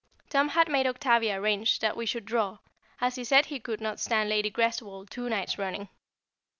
Tom had made Octavia arrange that we should draw, as he said he could not stand Lady Greswold two nights running.